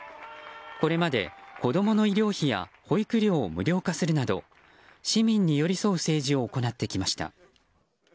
これまで子供の医療費や保育料を無料化するなど市民に寄り添う政治を行ってきました。